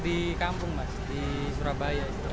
di kampung mas di surabaya itu